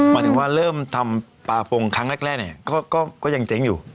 หมายถึงว่าเริ่มทำปลาพงครั้งแรกเนี่ยก็ยังเจ๊งอยู่